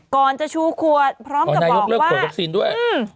ก่อนจะชูขวดพร้อมกับบอกว่าอ๋อนายกเลือกขวดวัคซีนด้วย